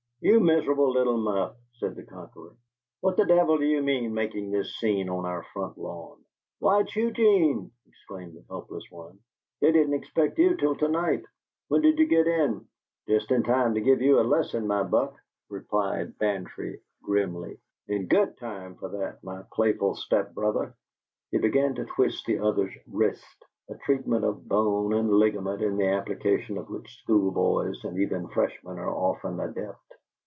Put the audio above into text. "You miserable little muff," said the conqueror, "what the devil do you mean, making this scene on our front lawn?" "Why, it's Eugene!" exclaimed the helpless one. "They didn't expect you till to night. When did you get in?" "Just in time to give you a lesson, my buck," replied Bantry, grimly. "In GOOD time for that, my playful step brother." He began to twist the other's wrist a treatment of bone and ligament in the application of which school boys and even freshmen are often adept.